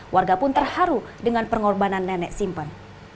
warga pun terharu dengan pengorbanan nenek simpen